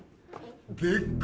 でっか！